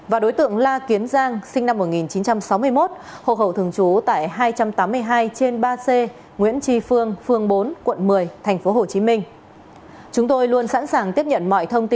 và đối tượng la kiến giang sinh năm một nghìn chín trăm sáu mươi một hộ khẩu thường trú tại hai trăm tám mươi hai trên ba c nguyễn tri phương phường bốn quận một mươi tp hcm